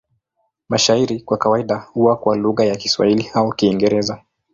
Mashairi kwa kawaida huwa kwa lugha ya Kiswahili au Kiingereza.